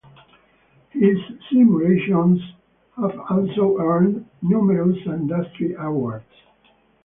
His simulations have also earned numerous industry awards.